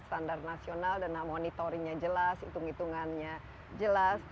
standar nasional dana monitoringnya jelas hitung hitungannya jelas